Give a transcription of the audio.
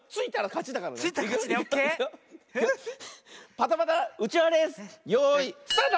パタパタうちわレースよいスタート！